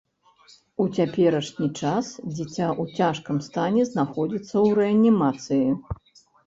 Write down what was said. У цяперашні час дзіця ў цяжкім стане знаходзіцца ў рэанімацыі.